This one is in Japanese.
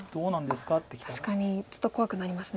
確かにちょっと怖くなりますね。